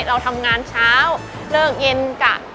เราทำงานเช้าเลิกเย็นกะ